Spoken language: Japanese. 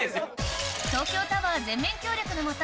東京タワー全面協力のもと